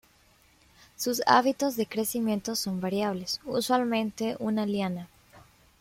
Sus hábitos de crecimiento son variables, usualmente una liana.